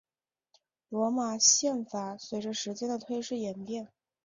罗马宪法随着时间的流逝演变。